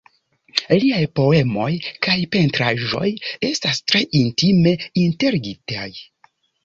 Liaj poemoj kaj pentraĵoj estas tre intime interligitaj.